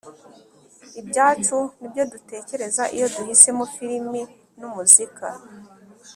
ibyacu n ibyo dutekereza Iyo duhisemo firimi n umuzika